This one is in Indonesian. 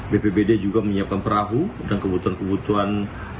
bpbd juga menyiapkan perahu dan kebutuhan kebutuhan